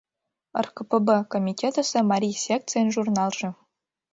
РКПб комитетысе марий секцийын журналже